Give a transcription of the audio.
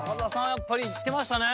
やっぱり行ってましたね